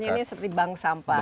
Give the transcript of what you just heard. ini seperti bank sampah